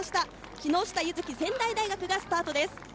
木下柚葵、仙台大学がスタートです。